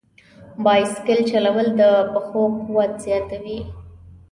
بایسکل چلول د پښو قوت زیاتوي.